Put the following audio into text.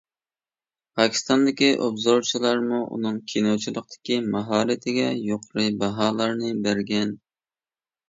پاكىستاندىكى ئوبزورچىلارمۇ ئۇنىڭ كىنوچىلىقتىكى ماھارىتىگە يۇقىرى باھالارنى بەرگەن.